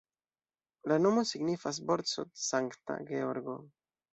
La nomo signifas Borsod-Sankta Georgo.